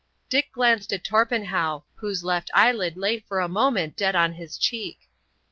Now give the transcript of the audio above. Dick glanced at Torpenhow, whose left eyelid lay for a moment dead on his cheek.